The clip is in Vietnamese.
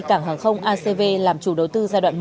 cảng hàng không acv làm chủ đầu tư giai đoạn một